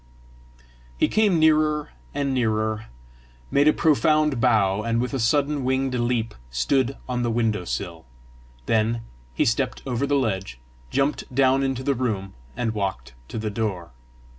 He came nearer and nearer, made a profound bow, and with a sudden winged leap stood on the window sill. Then he stepped over the ledge, jumped down into the room, and walked to the door.